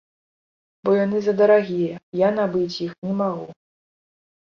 Бо яны задарагія, я набыць іх не магу.